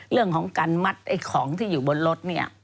เรื่องของการมัดไอ้ของที่อยู่บนรถเนี่ย